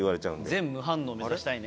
全無反応目指したいね。